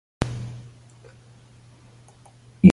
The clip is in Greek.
είπε κοροϊδευτικά.